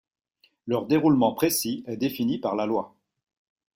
Leur déroulement précis est défini par la loi.